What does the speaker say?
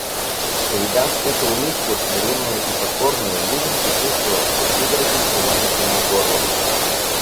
Увидав эту улыбку, смиренную и покорную, Левин почувствовал, что судороги сжимают ему горло.